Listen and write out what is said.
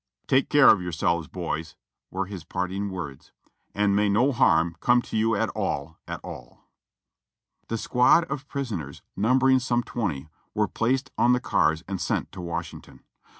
"Take care of yourselves, boys," were his parting words, "and may no harm come to you at all, at all." The squad of prisoners, numbering some twenty, were placed on the cars and sent to Washington.